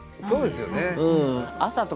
そうですよね。